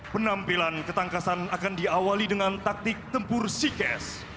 penampilan ketangkasan akan diawali dengan taktik tempur sikes